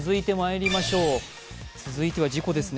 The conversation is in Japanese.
続いては事故ですね。